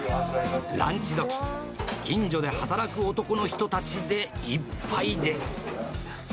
ランチどき、近所で働く男の人たちでいっぱいです。